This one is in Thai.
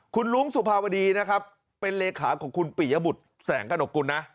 คุณลุงสุภาวดีนะครับเป็นเลขาของคุณปิยบุตรแสงกระหนกกุลนะ